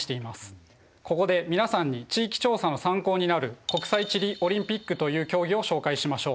ここで皆さんに地域調査の参考になる国際地理オリンピックという競技を紹介しましょう。